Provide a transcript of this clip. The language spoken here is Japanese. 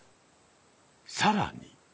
さらに。